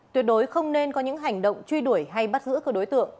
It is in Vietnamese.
tuyệt đối không nên có những hành động truy đuổi hay bắt giữ cơ đối tượng